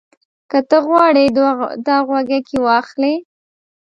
ته غواړې دا غوږيکې واخلې؟